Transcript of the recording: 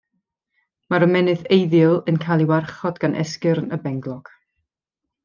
Mae'r ymennydd eiddil yn cael ei warchod gan esgyrn y benglog.